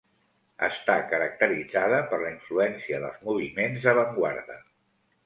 Està caracteritzada per la influència dels moviments d'avantguarda.